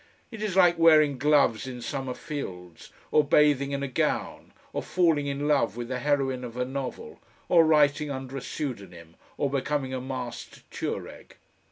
It is like wearing gloves in summer fields, or bathing in a gown, or falling in love with the heroine of a novel, or writing under a pseudonym, or becoming a masked Tuareg....